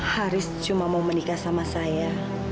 haris cuma mau menikah sama saya